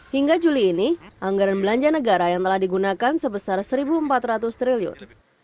hingga juli ini anggaran belanja negara yang telah digunakan sebesar rp satu empat ratus triliun